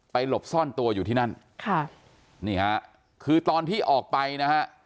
หลบซ่อนตัวอยู่ที่นั่นค่ะนี่ฮะคือตอนที่ออกไปนะฮะ